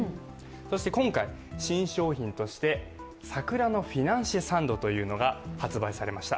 今回、新商品として桜のフィナンシェサンドが発売されました。